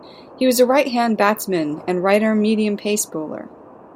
He was a right-hand batsman and right-arm medium pace bowler.